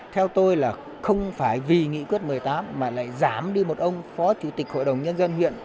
theo tôi là không phải vì nghị quyết một mươi tám mà lại giảm đi một ông phó chủ tịch hội đồng nhân dân huyện